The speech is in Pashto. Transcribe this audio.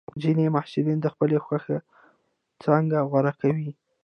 ځینې محصلین د خپلې خوښې څانګه غوره کوي.